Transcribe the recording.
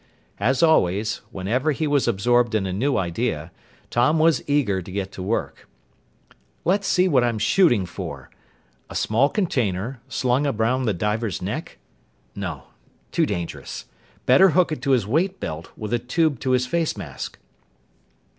As always, whenever he was absorbed in a new idea, Tom was eager to get to work. "Let's see what I'm shooting for. A small container, slung around the diver's neck?... No, too dangerous. Better hook it to his weight belt, with a tube to his face mask."